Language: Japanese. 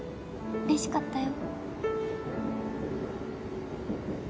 うれしかったよ。